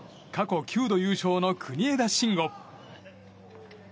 過去９度優勝の国枝慎吾。